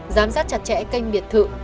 giám sát chặt chẽ căn biệt thự